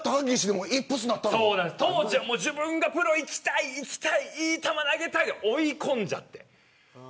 当時は自分がプロいきたいいい球投げたいと追い込んじゃって。